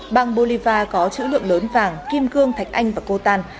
bang bolivar có chữ lượng lớn vàng kim cương thạch anh và cô tan